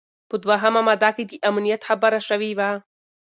په دوهمه ماده کي د امنیت خبره شوې وه.